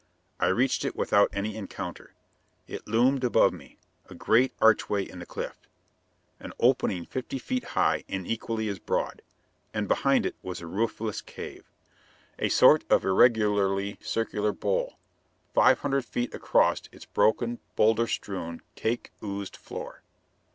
I reached it without any encounter. It loomed above me, a great archway in the cliff an opening fifty feet high and equally as broad. And behind it was a roofless cave a sort of irregularly circular bowl, five hundred feet across its broken, bowlder strewn, caked ooze floor.